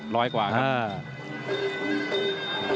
ร้อยกว่าครับ